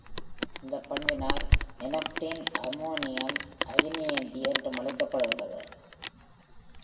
இந்தப் பண்பினால் நொனாக்டின் அம்மோனியம் அயனியேந்தி என்றும் அழைக்கப்படுகிறது.